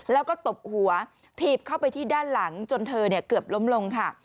แล้วก็ตบหัวถีบเข้าไปที่ด้านหลังจนเธอเกือบล้มลงค่ะ